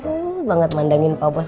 wah banget mandangin pak bos